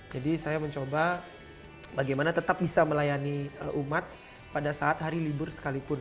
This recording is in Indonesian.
jadi saya mencoba bagaimana tetap bisa melayani umat pada saat hari libur sekalipun